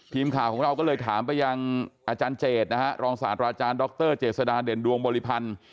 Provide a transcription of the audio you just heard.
ทีมข่าวของเราก็เลยถามไปยังอาจารย์เจดนะฮะรองศาสตราอาจารย์ดรเจษฎาเด่นดวงบริพันธ์